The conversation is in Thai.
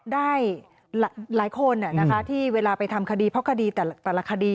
ได้หลายคนที่เวลาไปทำคดีเพราะคดีแต่ละคดี